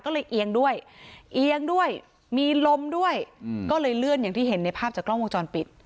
ก็เลยเอียงด้วยเอียงด้วยมีลมด้วยก็เลยเลื่อนอย่างที่เห็นในภาพจากกล้องวงจรปิด